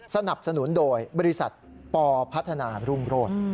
สนับสนุนโดยบริษัทปพัฒนารุ่งโรธ